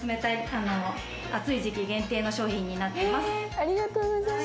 暑い時期限定の商品になってます。